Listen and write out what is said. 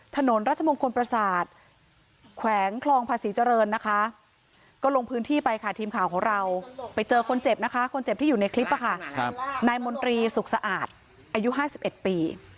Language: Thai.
คนเจ็บที่อยู่ในคลิปนะคะนายมนตรีสุขสะอาดอายุห้าสิบเอ็ดปี